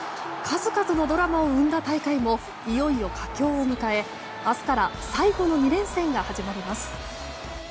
数々のドラマを生んだ大会もいよいよ佳境を迎え明日から最後の２連戦が始まります。